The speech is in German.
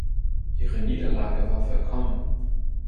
Ihre Niederlage war vollkommen.